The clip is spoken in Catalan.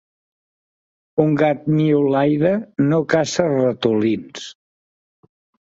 Un gat miolaire no caça ratolins.